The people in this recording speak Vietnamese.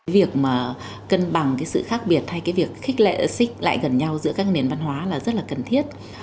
việc mà cân bằng cái sự khác biệt hay cái việc khích lệ xích lại gần nhau giữa các nền văn hóa là rất là cần thiết